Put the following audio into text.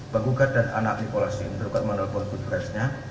penggugat dan anak nipolasi tergugat menelpon good branch nya